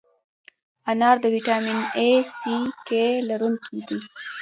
انار د ویټامین A، C، K لرونکی دی.